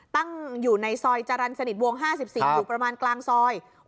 ตั้งอยู่ในซอยจรรย์สนิทวง๕๔อยู่ประมาณกลางซอย